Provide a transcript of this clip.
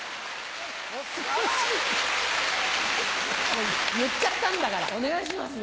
もう言っちゃったんだからお願いしますよ。